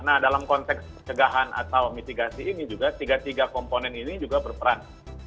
nah dalam konteks cegahan atau mitigasi ini juga tiga tiga komponen ini juga berperan